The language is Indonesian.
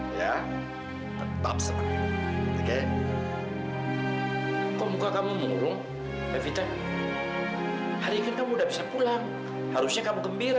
harusnya kamu gembira